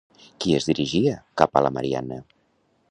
Qui es dirigia cap a la Marianna?